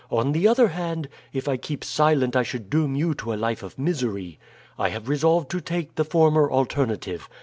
On the other hand, if I keep silent I should doom you to a life of misery. I have resolved to take the former alternative.